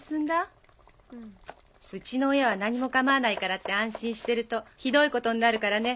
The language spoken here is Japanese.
うちの親は何も構わないからって安心してるとひどいことになるからね。